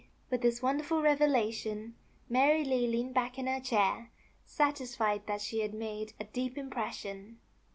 With this wonderful revelation Mary Lee leaned back in her cliair, satisfied that she had made a deep im pression.